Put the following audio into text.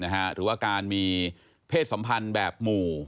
หรือว่าการมีเพศสัมพันธ์แบบหมู่